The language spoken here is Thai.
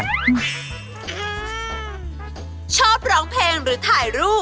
ไม่นะ